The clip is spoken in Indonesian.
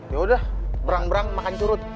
yaudah berang berang makan curut